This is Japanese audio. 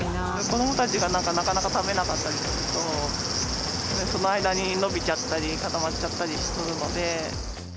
子どもたちがなかなか食べなかったりとかすると、その間に伸びちゃったり、固まっちゃったりするので。